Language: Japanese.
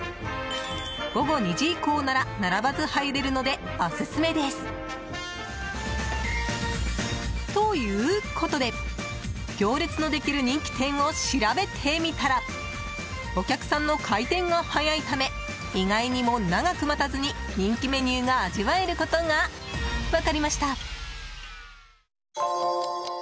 午後２時以降なら並ばず入れるので、オススメです。ということで、行列のできる人気店を調べてみたらお客さんの回転が早いため意外にも、長く待たずに人気メニューが味わえることが分かりました。